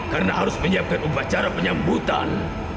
karena harus menyiapkan upacara penyambutan